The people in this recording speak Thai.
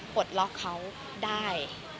กดล๊อกเขาได้